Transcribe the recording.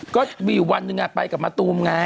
ก็มีวันหนึ่งไปกับมาตูมไง